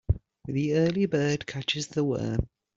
The early bird catches the worm.